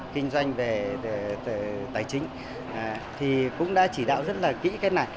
kinh doanh về tài chính thì cũng đã chỉ đạo rất là kỹ cái này